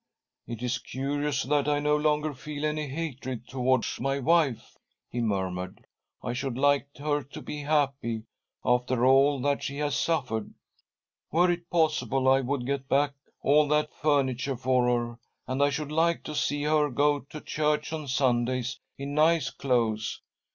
"It is curious that I no longer feel any hatred towards my wife," he murmured. " I should like her to be happy, after all that she has suffered. .' Were it possible, I would get back all that furniture for her, and I should like to see her go to church on Sundays in nice clothes.